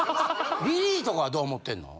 リリーとかはどう思ってんの？